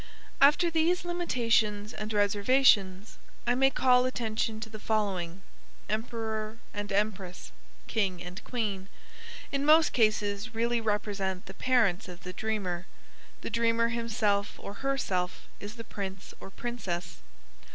After these limitations and reservations I may call attention to the following: Emperor and Empress (King and Queen) in most cases really represent the parents of the dreamer; the dreamer himself or herself is the prince or princess.